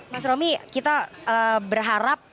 mas romi kita berharap